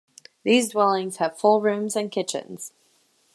These dwellings have full rooms and kitchens.